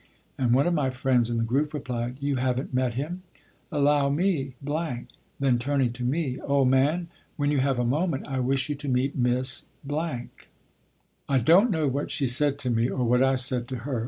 And one of my friends in the group replied: "You haven't met him? Allow me " Then turning to me, "Old man, when you have a moment I wish you to meet Miss ." I don't know what she said to me or what I said to her.